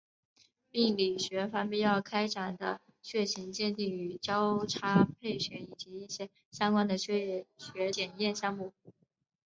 病理学方面要开展的血型鉴定与交叉配血以及一些相关的血液学检验项目。